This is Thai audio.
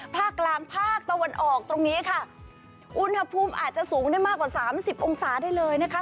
ภาคกลางภาคตะวันออกตรงนี้ค่ะอุณหภูมิอาจจะสูงได้มากกว่าสามสิบองศาได้เลยนะคะ